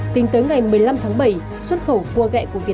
tính tới ngày một mươi năm tháng bảy xuất khẩu cua gẹ quốc tế